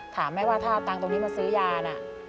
ถามแม่ว่าถ้าเอาตังค์ตรงนี้มาซื้อยาน่ะ